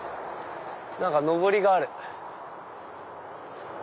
何かのぼりがある。